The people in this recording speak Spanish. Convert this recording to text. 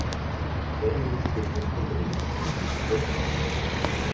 Naturalmente, desde un punto de vista científico, existe.